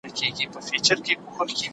د کلا په انګړ کې د ګلانو یو کوچنی بڼ جوړ و.